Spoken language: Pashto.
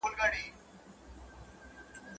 o بار به دي په شا کم، توان به دي تر ملا کم.